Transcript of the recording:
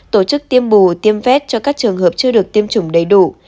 tổ chức tiêm bù tiêm vét cho các trường hợp chưa được tiêm chủng đầy đủ